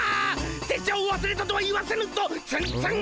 拙者をわすれたとは言わせぬぞツンツン頭！